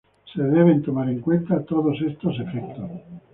Se deben tomar en cuenta todos estos efectos.